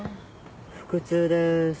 腹痛です。